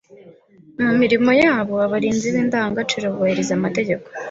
Mu mirimo yabo, abarinzi b’indangagaciro bubahiriza amategeko